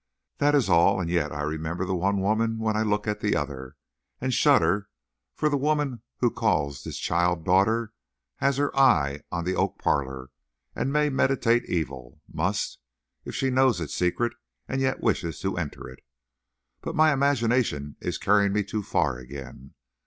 That is all, and yet I remember the one woman when I look at the other, and shudder; for the woman who calls this child daughter has her eye on the oak parlor, and may meditate evil must, if she knows its secret and yet wishes to enter it. But my imagination is carrying me too far again.